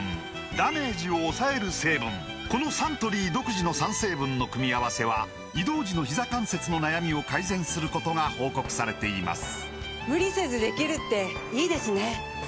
このサントリー独自の３成分の組み合わせは移動時のひざ関節の悩みを改善することが報告されています